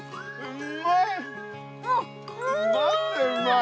うんまい。